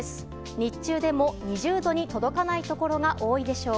日中でも２０度に届かないところが多いでしょう。